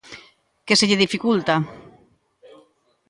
Que se lle dificulta.